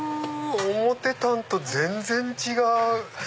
思ってたんと全然違う！